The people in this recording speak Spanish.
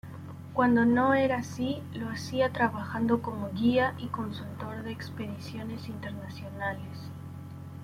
Cuando no era así, lo hacía trabajando como guía y consultor de expediciones internacionales.